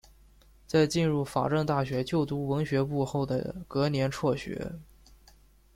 在进入法政大学就读文学部后的隔年辍学。